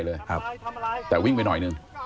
แต่วิ่งไปหน่อยนึง